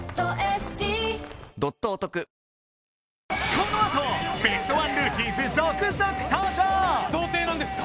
このあとベストワンルーキーズ続々登場童貞なんですか？